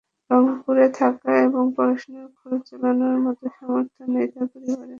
রংপুরে থাকা এবং পড়াশোনার খরচ চালানোর মতো সামর্থ্য নেই তাঁর পরিবারের।